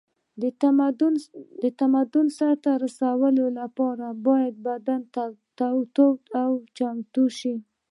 د تمرین د سر ته رسولو لپاره باید بدن تود او چمتو شي.